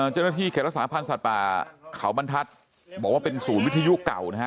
เจ้าหน้าที่เขตรักษาพันธ์สัตว์ป่าเขาบรรทัศน์บอกว่าเป็นศูนย์วิทยุเก่านะฮะ